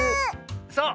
そう。